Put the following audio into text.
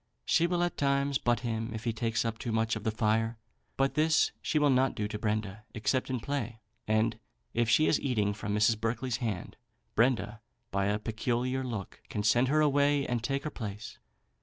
She will at times butt him if he takes up too much of the fire; but this she will not do to Brenda, except in play; and if she is eating from Mrs. Berkeley's hand, Brenda by a peculiar look can send her away and take her place.